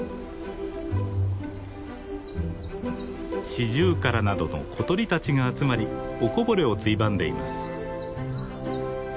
シジュウカラなどの小鳥たちが集まりおこぼれをついばんでいます。